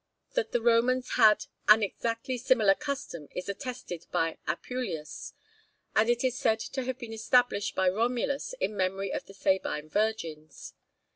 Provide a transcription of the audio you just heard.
That the Romans had an exactly similar custom is attested by Apuleius, and it is said to have been established by Romulus in memory of the Sabine virgins.